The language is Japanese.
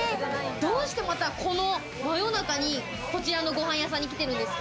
どうしてまたこの真夜中にこちらのご飯屋さんに来てるんですか？